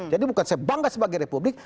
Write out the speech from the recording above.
jadi bukan saya bangga sebagai republik